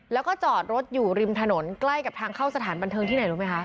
แล้วก็จอดรถอยู่ริมถนนใกล้กับทางเข้าสถานบันเทิงที่ไหนรู้ไหมคะ